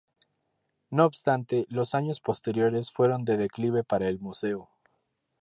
No obstante, los años posteriores fueron de declive para el museo.